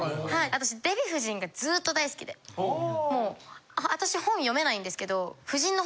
私デヴィ夫人がずっと大好きでもう私本読めないんですけど。